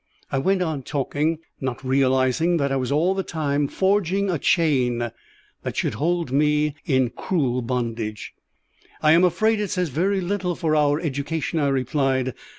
I went on talking, not realizing that I was all the time forging a chain that should hold me in cruel bondage. "I am afraid it says very little for our education," I replied.